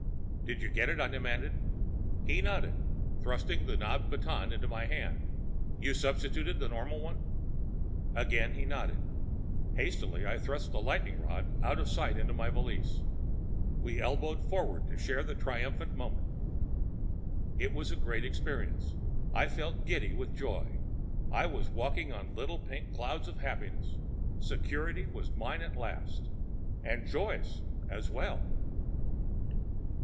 "Did you get it?" I demanded. He nodded, thrust the knobbed baton into my hand. "You substituted the normal one?" Again he nodded. Hastily I thrust the lightening rod out of sight into my valise, and we elbowed forward to share the triumphant moment. It was a great experience. I felt giddy with joy; I was walking on little pink clouds of happiness. Security was mine at last. And Joyce, as well.